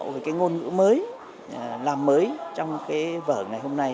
về cái ngôn ngữ mới làm mới trong cái vở ngày hôm nay